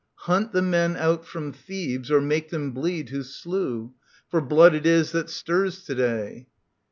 Hunt the men out from Thebes, or make them bleed Who slew. For blood it is that stirs to day.